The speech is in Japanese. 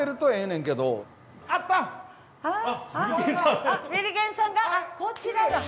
あっこちらが。